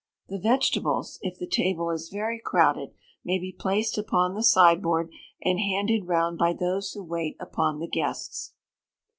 The vegetables, if the table is very crowded, may be placed upon the sideboard, and handed round by those who wait upon the guests.